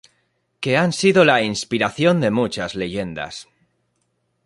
Que han sido la inspiración de muchas leyendas.